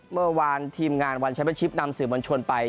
เมื่อวานทีมงานวันแชมเป็นชิปนำสื่อมวลชนไป